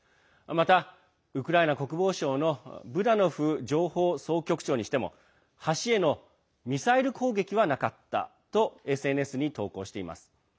また、ウクライナ国防省のブダノフ情報総局長にしても橋へのミサイル攻撃はなかったとＳＮＳに投稿しています。